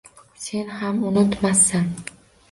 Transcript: Sen ham unutmassan